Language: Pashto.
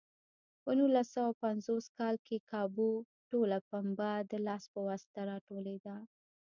په نولس سوه پنځوس کال کې کابو ټوله پنبه د لاس په واسطه راټولېده.